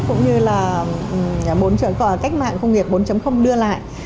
cũng như là bốn cách mạng công nghiệp bốn đưa lại